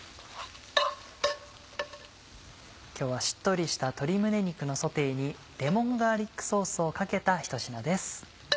今日はしっとりした鶏胸肉のソテーにレモンガーリックソースをかけたひと品です。